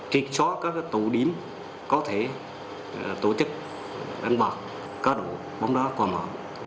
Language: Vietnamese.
triệt xóa các tổ điểm có thể tổ chức đánh bạc cá độ bóng đá quả mở